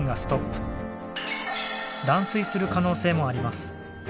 断水する可能性もあります。